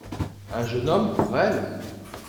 Un jeune homme pour elle ?